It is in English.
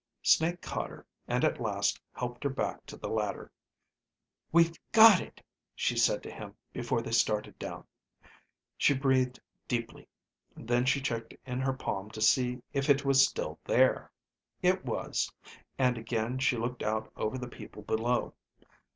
Snake caught her and at last helped her back to the ladder. "We've got it," she said to him before they started down. She breathed deeply. Then she checked in her palm to see if it was still there; it was, and again she looked out over the people below.